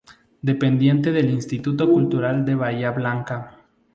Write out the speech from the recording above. Dependiente del Instituto Cultural de Bahía Blanca.